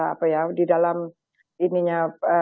apa ya di dalam ininya